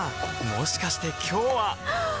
もしかして今日ははっ！